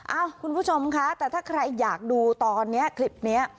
คุณผู้ชมคะแต่ถ้าใครอยากดูตอนนี้คลิปนี้